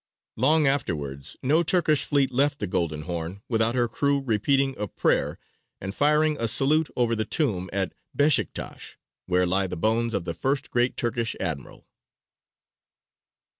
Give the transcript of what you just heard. Long afterwards no Turkish fleet left the Golden Horn without her crew repeating a prayer and firing a salute over the tomb at Beshiktash, where lie the bones of the first great Turkish admiral.